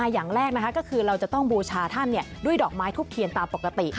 อย่างแรกก็คือเราจะต้องบูชาท่านด้วยดอกไม้ทุบเทียนตามปกติ